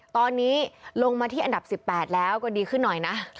ตอนนี้ลงมาที่อันดับ๑๘แล้วก็ดีขึ้นหน่อยนะ